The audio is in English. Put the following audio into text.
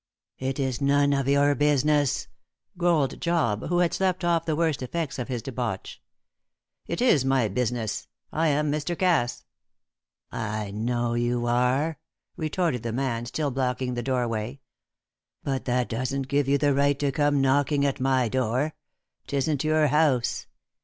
"It is none of your business," growled Job, who had slept off the worst effects of his debauch. "It is my business. I am Mr. Cass." "I know you are," retorted the man, still blocking the doorway. "But that doesn't give you the right to come knocking at my door. 'Tisn't your house."